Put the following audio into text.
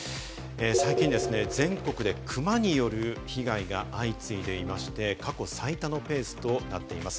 最近、全国でクマによる被害が相次いでいまして、過去最多のペースとなっています。